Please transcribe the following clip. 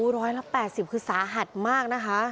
ร้อยละ๘๐คือสาหัสมากนะคะ